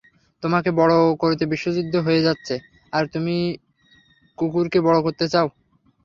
তোমাকে বড় করতে বিশ্বযুদ্ধ হয়ে যাচ্ছে, আর তুমি কুকুরকে বড় করতে চাও?